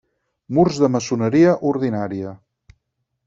Murs de maçoneria ordinària.